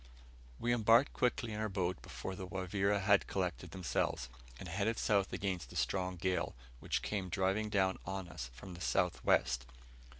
We embarked quickly in our boat before the Wavira had collected themselves, and headed south against a strong gale, which came driving down on us from the south west.